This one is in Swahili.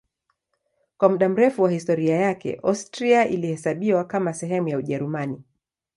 Kwa muda mrefu wa historia yake Austria ilihesabiwa kama sehemu ya Ujerumani.